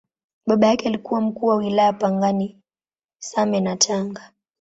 Baba yake alikuwa Mkuu wa Wilaya Pangani, Same na Tanga.